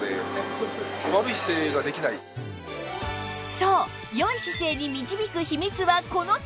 そう良い姿勢に導く秘密はこの突起